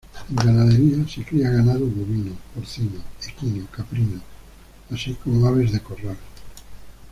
En ganadería se cría ganado bovino, porcino, equino, caprino, así como aves de corral.